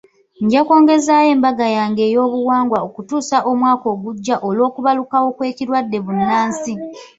Nja kwongezaayo embaga yange ey'obuwangwa okutuusa omwaka ogujja olw'okubalukawo kw'ekirwadde bbunansi.